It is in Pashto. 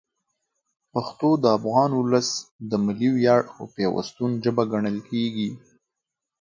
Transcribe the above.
پښتو د افغان ولس د ملي ویاړ او پیوستون ژبه ګڼل کېږي.